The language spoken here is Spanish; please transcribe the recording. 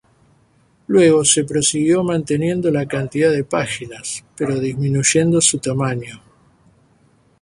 Luego se prosiguió manteniendo la cantidad de páginas, pero disminuyendo su tamaño.